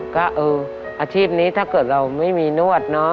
ก็เอออาชีพนี้ถ้าเกิดเราไม่มีนวดเนอะ